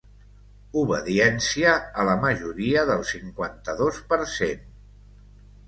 Obediència a la majoria del cinquanta-dos per cent!